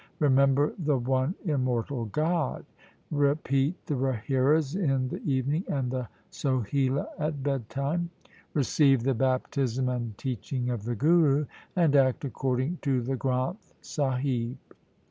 Remember the one immortal God. Repeat the Rahiras in the evening and the Sohila at bedtime. Receive the baptism and teaching of the Guru, and act according to the Granth Sahib.